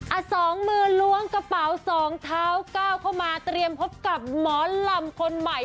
สองมือล้วงกระเป๋าสองเท้าก้าวเข้ามาเตรียมพบกับหมอลำคนใหม่